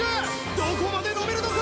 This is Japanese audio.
どこまで伸びるのか？